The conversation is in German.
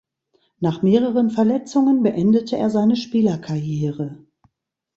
Nach mehreren Verletzungen beendete er seine Spielerkarriere.